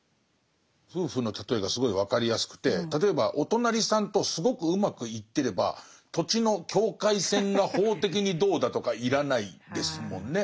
夫婦の例えがすごい分かりやすくて例えばお隣さんとすごくうまくいってれば土地の境界線が法的にどうだとか要らないですもんね。